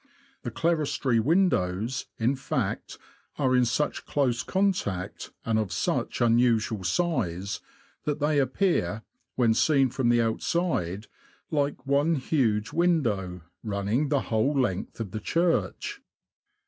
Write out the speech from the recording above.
The clerestory windows, in fact, are in such close contact, and of such unusual size, that they appear, when seen from the outside, like one huge window, running the whole length of the church.